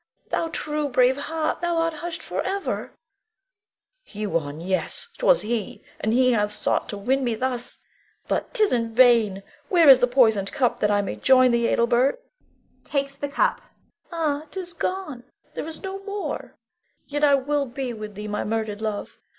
Thou true, brave heart, thou art hushed forever. Huon! yes! 'twas he; and he hath sought to win me thus. But 'tis in vain! Where is the poisoned cup that I may join thee, Adelbert? [Takes the cup.] Ah, 'tis gone: there is no more. Yet I will be with thee, my murdered love.